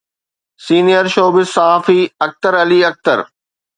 senior شو business صحافي اختر علي اختر